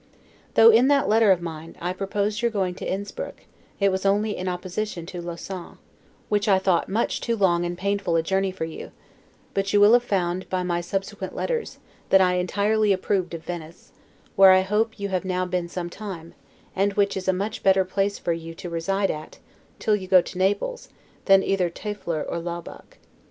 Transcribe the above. Though, in that letter of mine, I proposed your going to Inspruck, it was only in opposition to Lausanne, which I thought much too long and painful a journey for you; but you will have found, by my subsequent letters, that I entirely approved of Venice; where I hope you have now been some time, and which is a much better place for you to reside at, till you go to Naples, than either Tieffer or Laubach.